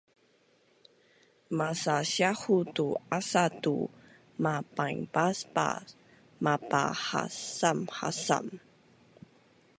masasiahu tu asa tu mapainbaasbaas mapahasamhasam